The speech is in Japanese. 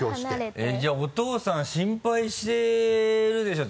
えっじゃあお父さん心配してるでしょう？